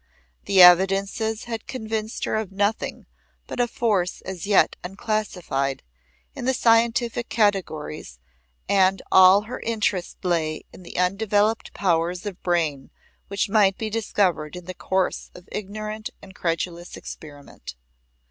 The evidences had convinced her of nothing but a force as yet unclassified in the scientific categories and all her interest lay in the undeveloped powers of brain which might be discovered in the course of ignorant and credulous experiment.